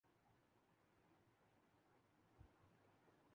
جنہوں نے اپنا سا بقہ پیشہ اختیارکیا